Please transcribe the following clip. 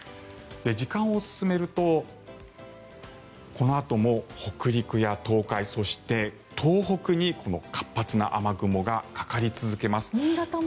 時間を進めるとこのあとも北陸や東海そして東北にこの活発な雨雲がかかり続けます。